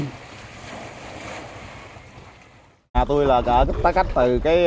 anh lê văn tươi đang dọn dẹp những vật dụng cuối cùng trước khi rời đi